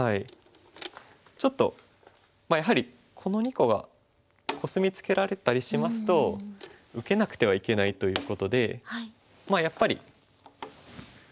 ちょっとやはりこの２個がコスミツケられたりしますと受けなくてはいけないということでまあやっぱり。